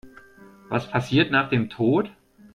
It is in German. Was passiert nach dem Tod?